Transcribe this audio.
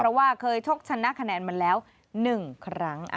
เพราะว่าเคยชกชนะคะแนนมาแล้ว๑ครั้ง